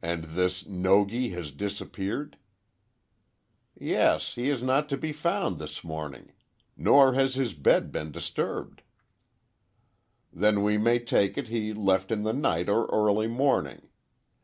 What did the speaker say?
"And this Nogi has disappeared?" "Yes; he is not to be found this morning. Nor has his bed been disturbed." "Then we may take it he left in the night or early morning.